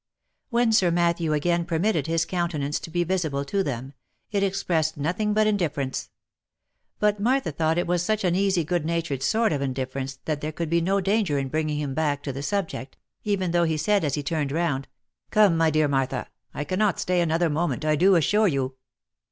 When Sir Matthew again permitted his countenance to be visible to them, it expressed nothing but indifference ; but Martha thought it was such an easy good natured sort of indifference that there could be no danger in bringing him back to the subject, even though he said as he turned round, " Come, my dear Martha, I cannot stay another moment, I do assure you."